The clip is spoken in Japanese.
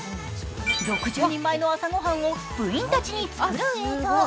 ６０人前の朝ごはんを部員たちに作る映像。